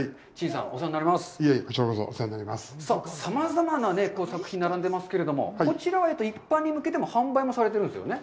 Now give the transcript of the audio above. さあ、さまざまな作品が並んでいますけれども、こちらは一般に向けても販売もされているんですよね。